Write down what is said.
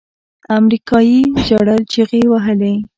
امريکايي ژړل چيغې يې وهلې.